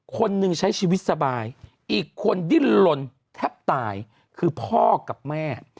คนนึงใช้ชีวิตสบายอีกคนดิ้นลนแทบตายคือพ่อกับแม่